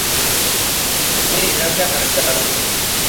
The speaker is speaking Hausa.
amman idan ka na da tarin